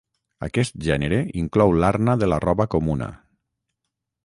Aquest gènere inclou l'arna de la roba comuna.